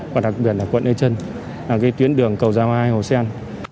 và đặc biệt là quận ê trân là tuyến đường cầu giao hai hồ sen